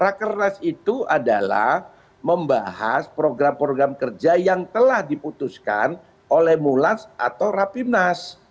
rakernas itu adalah membahas program program kerja yang telah diputuskan oleh mulas atau rapimnas